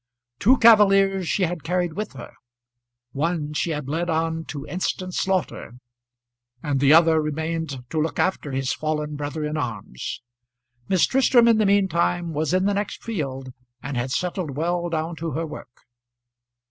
Two cavaliers she had carried with her. One she had led on to instant slaughter, and the other remained to look after his fallen brother in arms. Miss Tristram in the mean time was in the next field and had settled well down to her work.